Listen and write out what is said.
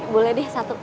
boleh deh satu